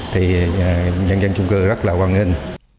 thì dân dân chung cư rất là hoan nghênh